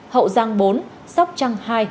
hậu giang bốn sóc trăng hai